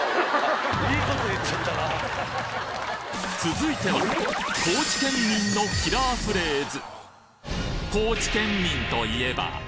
続いては高知県民のキラーフレーズ